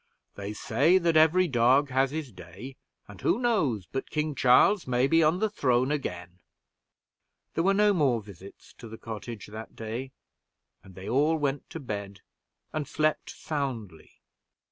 They say that every dog has his day, and who knows but King Charles may be on the throne again!" There were no more visits to the cottage that day, and they all went to bed, and slept soundly.